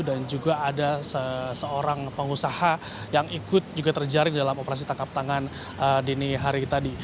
dan juga ada seorang pengusaha yang ikut juga terjaring dalam operasi tangkap tangan dini hari tadi